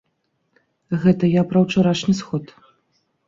Гэта я пра ўчарашні сход.